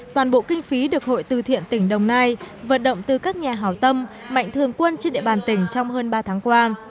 toàn bộ kinh phí được hội từ thiện tỉnh đồng nai vận động từ các nhà hào tâm mạnh thường quân trên địa bàn tỉnh trong hơn ba tháng qua